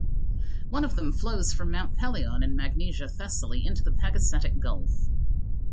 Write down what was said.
One of them flows from Mount Pelion in Magnesia, Thessaly into the Pagasetic Gulf.